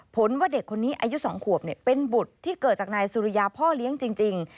ผลว่าเด็กคนนี้อายุ๒ขวบเป็นบุตรที่เกิดจากนายสุริยาพ่อเลี้ยงจริง